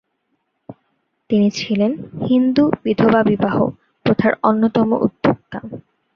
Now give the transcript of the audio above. তিনি ছিলেন 'হিন্দু বিধবা বিবাহ' প্রথার অন্যতম উদ্যোক্তা।